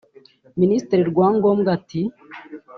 Ministre Rwangombwa ati